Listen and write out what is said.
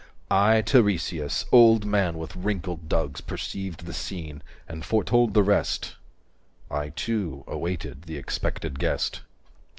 I Tiresias, old man with wrinkled dugs Perceived the scene, and foretold the rest— I too awaited the expected guest.